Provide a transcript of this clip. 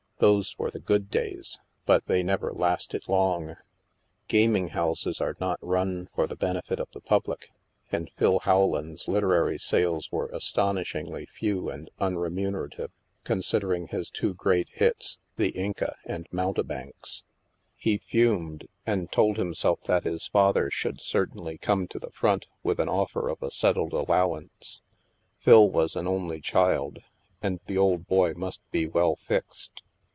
Those were the good days, but they never lasted long. Gaming houses are not run for the benefit of the public. And Phil Howland's literary sales were astonishingly few and unremunerative, considering his two great hits, "The Inca'' and "Mountebanks." STILL WATERS 83 He fumed, and told himself that his father should certainly come to the front with an offer of a settled allowance. Phil was an only child, and the old boy must be well fixed.